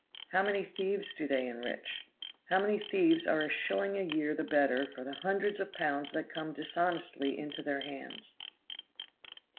How many thieves do they enrich? How many thieves are a shilling a year the better for the hundreds of pounds that come dishonestly into their hands.